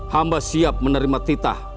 hamba siap menerima titah